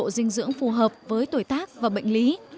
một chế độ dinh dưỡng phù hợp với tuổi tác và bệnh lý